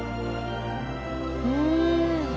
うん。